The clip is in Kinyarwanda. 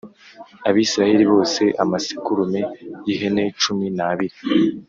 Abisirayeli bose amasekurume y ihene cumi n abiri